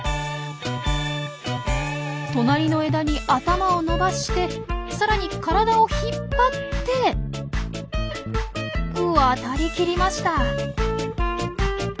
隣の枝に頭を伸ばしてさらに体を引っ張って渡りきりました。